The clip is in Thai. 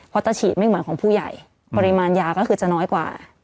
เพราะถ้าฉีดไม่เหมือนของผู้ใหญ่ปริมาณยาก็คือจะน้อยกว่า